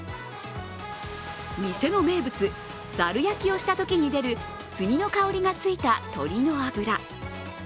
店の名物・ざる焼きをしたときに出る炭の香りがついた鶏の脂。